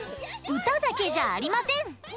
うただけじゃありません。